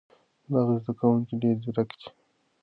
دغه زده کوونکی ډېر ځیرک دی.